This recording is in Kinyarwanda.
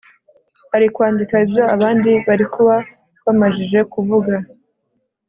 Arikwandika ibyo abandi barikuba bamajije kuvuga